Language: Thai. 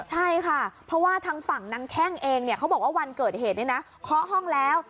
ใช่ค่ะเพราะว่าทางฝั่งนางแข้งเองเนี่ยเขาบอกว่าวันเกิดเหตุนี้นะเคาะห้องแล้ว